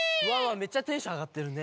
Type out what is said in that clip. めっちゃテンションあがってるね。